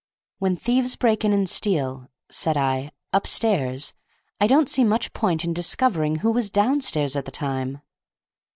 "When thieves break in and steal," said I, "upstairs, I don't see much point in discovering who was downstairs at the time."